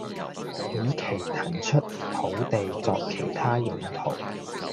以期騰出土地作其他用途